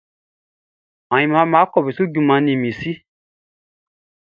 Ayinʼman nʼma kɔ fie nu juman ni mi si.